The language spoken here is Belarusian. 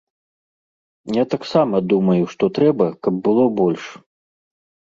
Я таксама думаю, што трэба, каб было больш.